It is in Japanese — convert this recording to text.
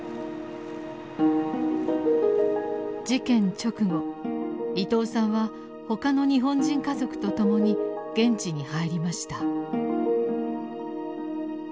事件直後伊東さんは他の日本人家族と共に現地に入りました。